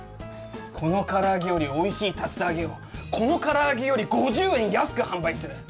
この唐揚げよりおいしい竜田揚げをこの唐揚げより５０円安く販売する。